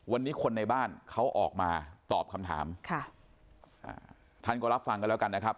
วันนี้คนในบ้านเขาออกมาตอบคำถามค่ะอ่าท่านก็รับฟังกันแล้วกันนะครับ